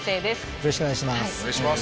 よろしくお願いします。